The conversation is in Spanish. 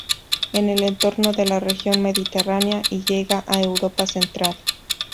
En el entorno de la región mediterránea y llega a Europa central.